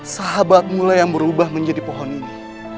sahabatmu lah yang berubah menjadi pohon ini